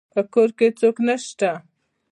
په کور کې څوک نشته